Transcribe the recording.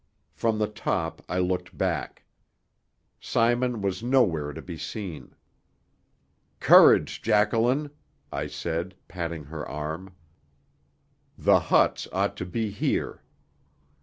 From the top I looked back. Simon was nowhere to be seen. "Courage, Jacqueline," I said, patting her arm, "The huts ought to be here."